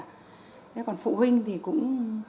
thế còn phụ huynh thì cũng